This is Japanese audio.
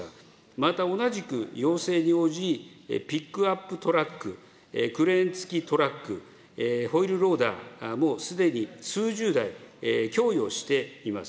また同じく要請に応じ、ピックアップトラック、クレーン付きトラック、、すでに数十台、供与しております。